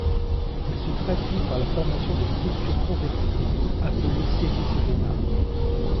Elle se traduit par la formation de structures convectives appelées cellules de Bénard.